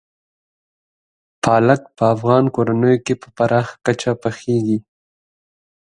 پالک په افغان کورنیو کې په پراخه کچه پخېږي.